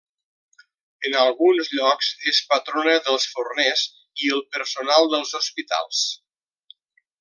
En alguns llocs és patrona dels forners i el personal dels hospitals.